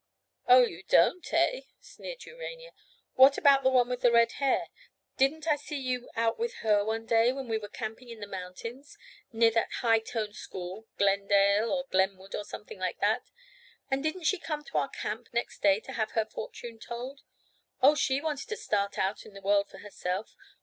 "Oh, you don't eh?" sneered Urania. "What about the one with the red hair? Didn't I see you out with her one day when we were camping in the mountains—near that high toned school, Glendale or Glenwood or something like that. And didn't she come to our camp next day to have her fortune told? Oh, she wanted to start out in the world for herself.